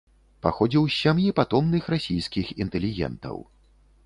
Паходзіў з сям'і патомных расійскіх інтэлігентаў.